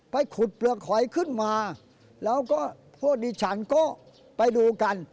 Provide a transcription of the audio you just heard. ขุดเปลือกหอยขึ้นมาแล้วก็พวกดิฉันก็ไปดูกัน